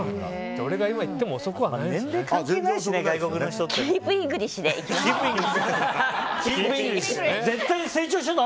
俺が今行っても遅くないんだ。